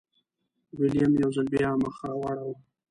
ویلیم یو ځل بیا مخ راواړوه.